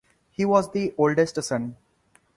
He was the oldest son.